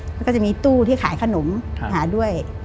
มันก็จะมีตู้ที่ขายขนมหาด้วย